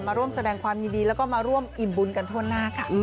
มาร่วมแสดงความยินดีแล้วก็มาร่วมอิ่มบุญกันทั่วหน้าค่ะ